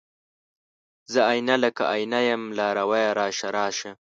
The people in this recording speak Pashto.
زه آئينه، لکه آئینه یم لارویه راشه، راشه